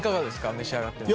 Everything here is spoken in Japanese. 召し上がってみて。